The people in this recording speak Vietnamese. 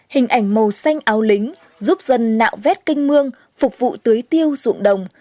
hình ảnh màu xanh áo lính giúp dân nạo vét canh mương phục vụ tưới tiêu ruộng đồng